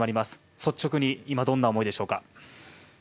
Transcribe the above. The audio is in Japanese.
率直に今どんな思いでしょうか。